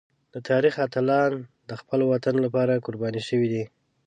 د تاریخ اتلان د خپل وطن لپاره قربان شوي دي.